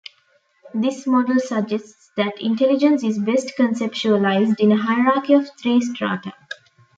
This model suggests that intelligence is best conceptualized in a hierarchy of three strata.